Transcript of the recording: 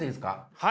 はい。